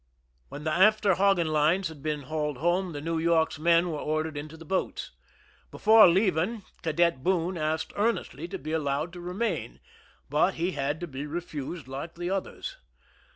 When the after hogging lines had been hauled home, the New YorJc^s men were ordered into the boats. Before leaving, Cadet Boone asked earnestly to be allowed to remain, but he had to be refused like the others.